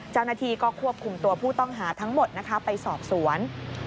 เจ้าหน้าที่ก็ควบคุมตัวผู้ต้องหาทั้งหมดไปสอบสวน